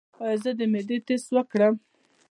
ایا زه باید د معدې ټسټ وکړم؟